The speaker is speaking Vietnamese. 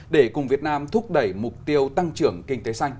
để cùng việt nam thúc đẩy mục tiêu tăng trưởng kinh tế xanh